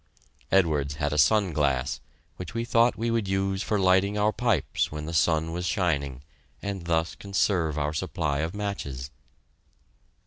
Edwards had a sun glass, which we thought we would use for lighting our pipes when the sun was shining, and thus conserve our supply of matches.